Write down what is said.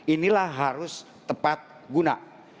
inilah harus tepat guna